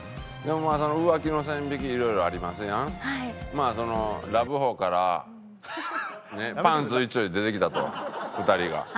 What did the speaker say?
まあラブホからパンツ一丁で出てきたと２人が。